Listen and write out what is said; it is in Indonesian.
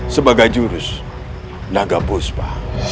sebagai jurus naga puspa